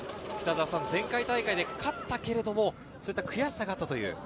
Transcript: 前回大会で勝ったけれども、悔しさがあったという。